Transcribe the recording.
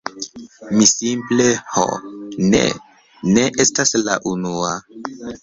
Mi simple... ho, ne, ne estas la unua.